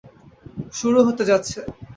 শুরু হতে যাচ্ছে।